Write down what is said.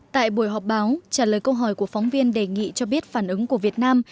tại buổi họp báo trả lời câu hỏi của phóng viên đề nghị cho biết phản ứng của việt nam